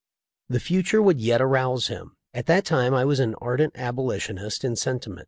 The future would yet arouse him. At that time I was an ardent Abolitionist in senti ment.